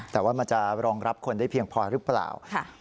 แต่ว่ามันจะรองรับคนได้เพียงพอหรือเปล่า